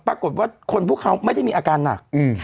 ปรากฏว่าคนพวกเขาไม่ได้มีอาการหนัก